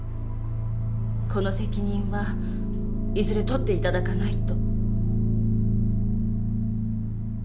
この責任はいずれとっていただかないと。